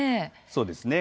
そうですね。